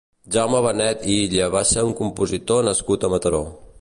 Jaume Banet i Illa va ser un compositor nascut a Mataró.